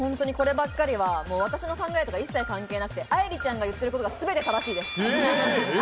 私の考えとか一切関係なく、愛理ちゃんが言っていることがすべて正しいです。